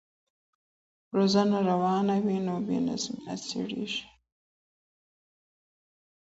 که روزنه روانه وي نو بې نظمي نه خپریږي.